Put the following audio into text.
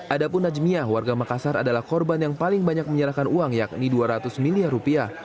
adapun najmiah warga makassar adalah korban yang paling banyak menyerahkan uang yakni dua ratus miliar rupiah